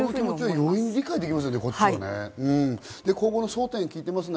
容易に理解できますよね。